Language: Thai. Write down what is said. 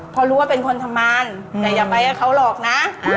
เพราะรู้ว่าเป็นคนทำงานแต่อย่าไปกับเขาหรอกนะ